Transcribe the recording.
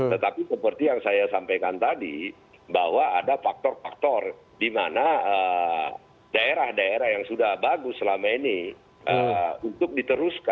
tetapi seperti yang saya sampaikan tadi bahwa ada faktor faktor di mana daerah daerah yang sudah bagus selama ini untuk diteruskan